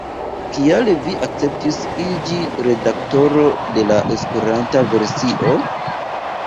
Kial vi akceptis iĝi redaktoro de la Esperanta versio?